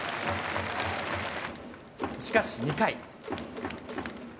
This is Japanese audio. しかし、２回。